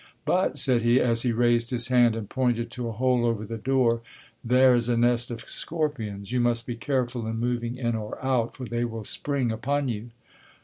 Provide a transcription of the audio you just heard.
"But," said he, as he raised his hand and pointed to a hole over the door, "there is a nest of scorpions; you must be careful in moving in or out, for they will spring upon you."